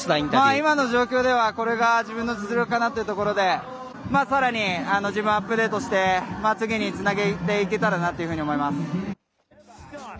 今の状況ではこれが自分の実力かなということでさらに自分をアップデートして次につなげていけたらなと思います。